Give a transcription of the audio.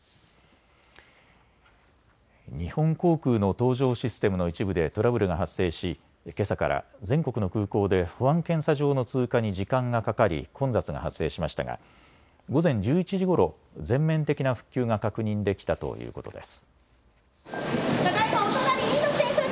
日本航空の搭乗システムの一部でトラブルが発生し、けさから全国の空港で保安検査場の通過に時間がかかり混雑が発生しましたが午前１１時ごろ全面的な復旧が確認できたということです。